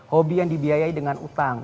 hobi yang dibiayai dengan utang